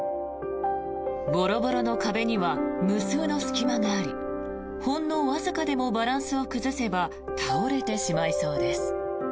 ボロボロの壁には無数の隙間がありほんのわずかでもバランスを崩せば倒れてしまいそうです。